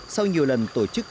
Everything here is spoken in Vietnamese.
sau nhiều lần tổ chức